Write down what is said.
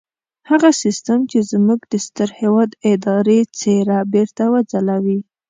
هغه سيستم چې زموږ د ستر هېواد اداري څېره بېرته وځلوي.